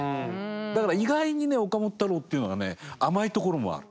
だから意外にね岡本太郎っていうのはね甘いところもある。